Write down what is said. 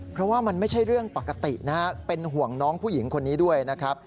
เพราะว่ามันไม่ใช่เรื่องปกตินะครับเป็นห่วงน้องผู้หญิงคนนี้ด้วยนะครับ